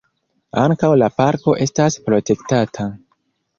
Ankaŭ la parko estas protektata.